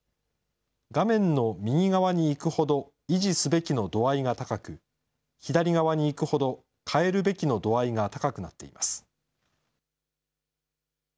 画面の右側に行くほど維持すべきの度合いが高く、左側に行くほど変えるべきの度合いが高くなっています。